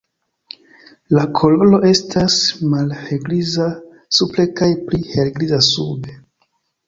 La koloro estas malhelgriza supre kaj pli helgriza sube.